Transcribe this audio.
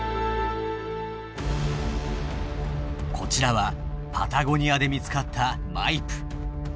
こちらはパタゴニアで見つかったマイプ。